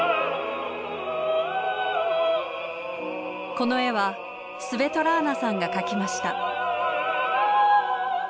この絵はスヴェトラーナさんが描きました。